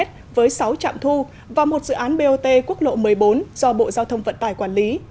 với sáu trạm thu và một dự án bot quốc lộ một mươi bốn do bộ giao thông vận tải quản lý